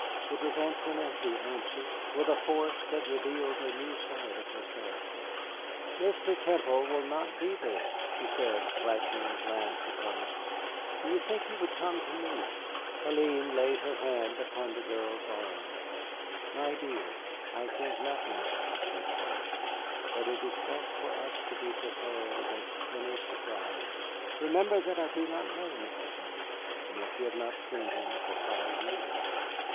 It was Antoinette who answered, with a force that revealed a new side of her character. "Mr. Temple will not be there," she said, flashing a glance upon us. "Do you think he would come to me ?" Hélène laid her hand upon the girl's arm. "My dear, I think nothing," she said quietly; "but it is best for us to be prepared against any surprise. Remember that I do not know Mr. Temple, and that you have not seen him for five years."